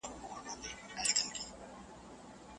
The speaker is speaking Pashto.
صدقات د انسانانو ترمنځ مینه زیاتوي.